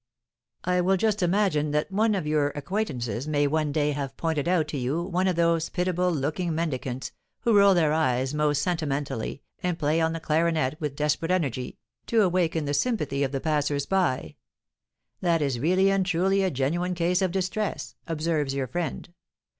I will just imagine that one of your acquaintances may one day have pointed out to you one of those pitiable looking mendicants who roll their eyes most sentimentally, and play on the clarionet with desperate energy, to awaken the sympathy of the passers by. 'That is really and truly a genuine case of distress,' observes your friend.